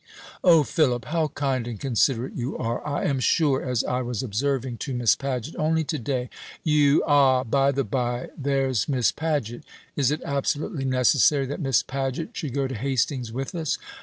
"O Philip, how kind and considerate you are! I am sure, as I was observing to Miss Paget only today, you " "Ah, by the bye, there's Miss Paget. Is it absolutely necessary that Miss Paget should go to Hastings with us?"